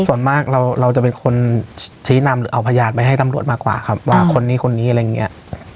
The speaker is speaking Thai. ส่วนมากเราจะเป็นคนชี้นำหรือเอาพยานไปให้ตำรวจมากกว่าครับว่าคนนี้คนนี้อะไรอย่างเงี้ย